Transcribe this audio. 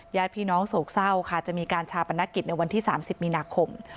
ญาติพี่น้องโศกเศร้าค่ะจะมีการชาปนกิจในวันที่๓๐มีนาคม